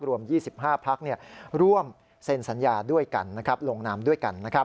รวม๒๕พักร่วมเซ็นสัญญาด้วยกันลงนามด้วยกัน